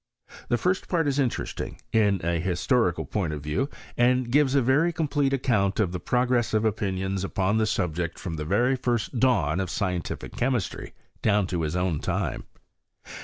This first part is interesting, in an historical point of view, and gives a very complete account of the progress of opinions upon the subject from the very first dawn of scientific chemistry down to his own time.